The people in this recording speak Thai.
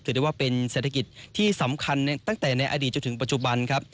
ได้ว่าเป็นเศรษฐกิจที่สำคัญตั้งแต่ในอดีตจนถึงปัจจุบันครับ